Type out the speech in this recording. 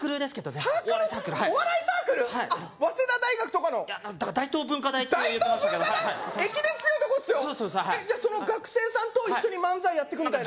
そうそうそうじゃその学生さんと一緒に漫才やってくみたいな？